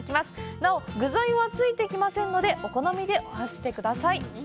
なお、具材は付いてきませんのでお好みで合わせてください。